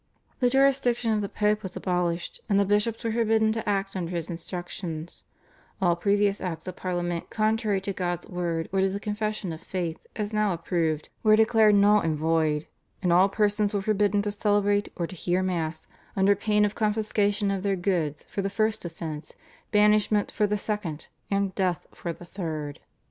The jurisdiction of the Pope was abolished, and the bishops were forbidden to act under his instructions; all previous Acts of Parliament contrary to God's word or to the confession of faith as now approved were declared null and void; and all persons were forbidden to celebrate or to hear Mass under pain of confiscation of their goods for the first offence, banishment for the second, and death for the third.